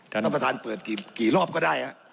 ท่านประธานเปิดกี่รอบก็ได้